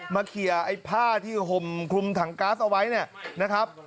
เคลียร์ไอ้ผ้าที่ห่มคลุมถังก๊าซเอาไว้เนี่ยนะครับ